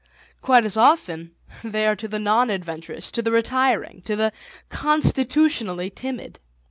Quite as often they are to the non adventurous, to the retiring, to the constitutionally timid.